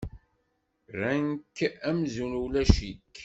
Rran-k amzun ulac-ik.